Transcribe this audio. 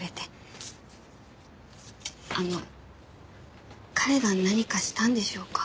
あの彼が何かしたんでしょうか？